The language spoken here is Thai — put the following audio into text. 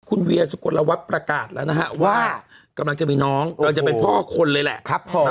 คุณเวียสุกลวัฒน์ประกาศแล้วนะฮะว่ากำลังจะมีน้องกำลังจะเป็นพ่อคนเลยแหละครับผม